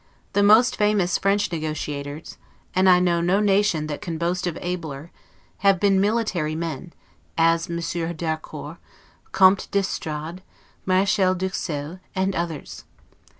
The most famous French negotiators (and I know no nation that can boast of abler) have been military men, as Monsieur d'Harcourt, Comte d'Estrades, Marechal d'Uxelles, and others.